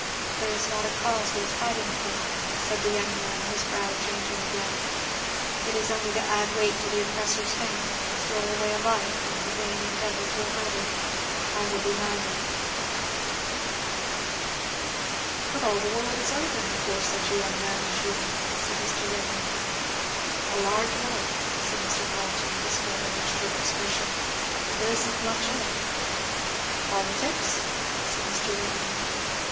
"There is not a cause worth fighting for," said the young man, his brow changing again. "It is only to add weight to the oppressor's hand, or throw away life in the vain endeavour to avert it. I will do neither." "But all the world is open before such a young man as you," said Mr. Ringgan. "A large world," said Mr. Carleton with his former mixture of expression, "but there isn't much in it." "Politics?" said Mr. Ringgan.